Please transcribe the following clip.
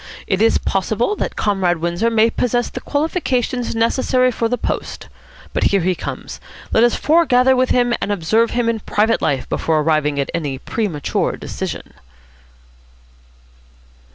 It is possible that Comrade Windsor may possess the qualifications necessary for the post. But here he comes. Let us foregather with him and observe him in private life before arriving at any premature decision."